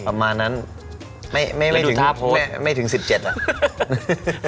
ประมาณนั้นไม่ถึง๑๗อะ